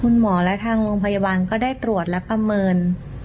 คุณหมอและทางโรงพยาบาลก็ได้ตรวจและประเมิน